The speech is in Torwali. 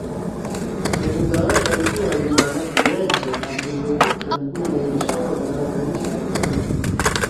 شرین زادا ݜنکو، حاجی محمد پُورأن چیل، عبدلودود ݜنکو، نعیم شاہ وغیرہ گھن شاعر تھی۔